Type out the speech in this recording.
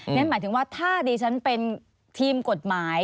หมายถึงว่าถ้าดิฉันเป็นทีมกฎหมาย